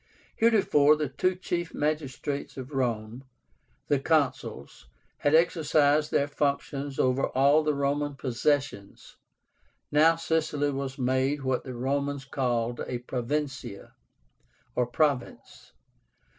Heretofore the two chief magistrates of Rome, the Consuls, had exercised their functions over all the Roman possessions. Now Sicily was made what the Romans called a provincia, or PROVINCE.